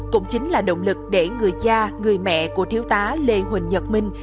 cũng chính là động lực để người cha người mẹ của thiếu tá lê huỳnh nhật minh